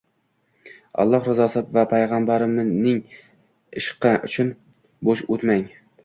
Alloh rizosi va Payg`ambarining ishqi uchun bo`sh o`tmang